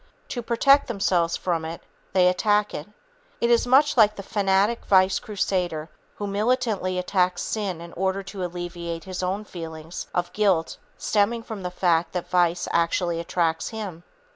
To protect themselves from it, they attack it. It is much like the fanatic vice crusader who militantly attacks sin in order to alleviate his own feelings of guilt stemming from the fact that vice actually attracts him.